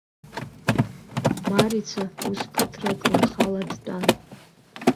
Марица ус ԥыҭрак лхала дтәан.